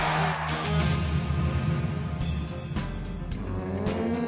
うん。